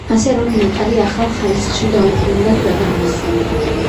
ასე რომ, ნეტარი ახალ ხარისხში დაუბრუნდა ქვეყანას.